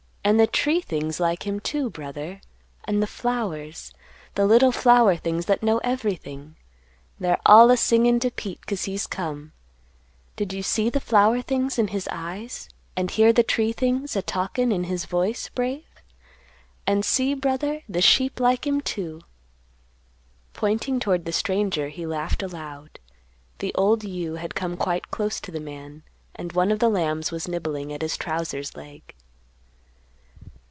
And the tree things like him, too, brother; and the flowers, the little flower things that know everything; they're all a singin' to Pete 'cause he's come. Did you see the flower things in his eyes, and hear the tree things a talkin' in his voice, Brave? And see, brother, the sheep like him too!" Pointing toward the stranger, he laughed aloud. The old ewe had come quite close to the man, and one of the lambs was nibbling at his trousers' leg.